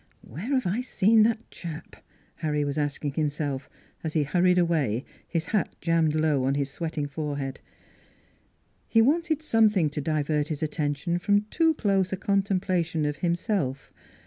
"Where have I seen that chap?" Harry was asking himself, as he hurried away, his hat jammed low on his sweating forehead. He wanted something to divert his attention from too close a contemplation of himself.